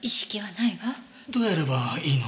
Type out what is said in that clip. どうやればいいの？